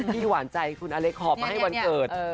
ที่หวานใจคุณอเล็กขอบมาให้วันเกิด